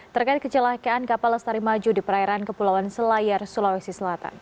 terkait kecelakaan kapal lestari maju di perairan kepulauan selayar sulawesi selatan